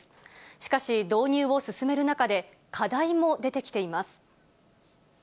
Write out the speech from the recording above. しかし、導入を進める中で、課題も出てきています。